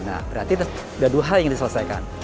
nah berarti sudah dua hal yang harus diselesaikan